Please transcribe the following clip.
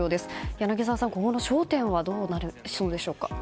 柳澤さん、今後の焦点はどうなりそうでしょうか。